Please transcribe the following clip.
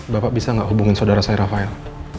bapak bisa gak hubungin sodara saya rafael